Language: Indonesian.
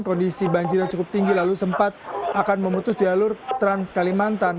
kondisi banjir yang cukup tinggi lalu sempat akan memutus jalur trans kalimantan